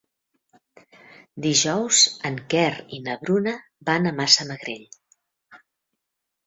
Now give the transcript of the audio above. Dijous en Quer i na Bruna van a Massamagrell.